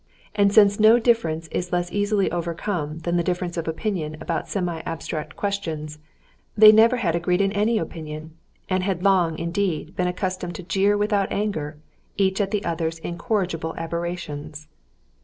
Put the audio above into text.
And since no difference is less easily overcome than the difference of opinion about semi abstract questions, they never agreed in any opinion, and had long, indeed, been accustomed to jeer without anger, each at the other's incorrigible aberrations.